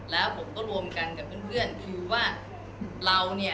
แล้วผมก็รวมกันกับเพื่อนคิวว่าเราเนี่ย